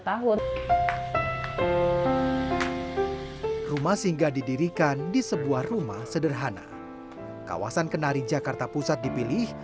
tahun rumah singgah didirikan di sebuah rumah sederhana kawasan kenari jakarta pusat dipilih